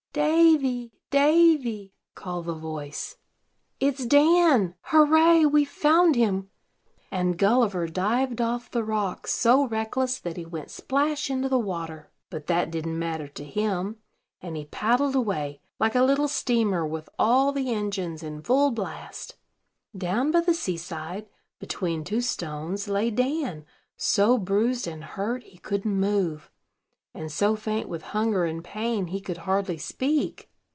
"Davy, Davy!" called the voice. "It's Dan. Hurrah, we've found him!" and Gulliver dived off the rock so reckless that he went splash into the water. But that didn't matter to him; and he paddled away, like a little steamer with all the engines in full blast. Down by the sea side, between two stones, lay Dan, so bruised and hurt he couldn't move, and so faint with hunger and pain he could hardly speak.